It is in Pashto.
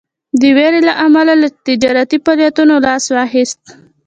د ویرې له امله له تجارتي فعالیتونو لاس واخیست.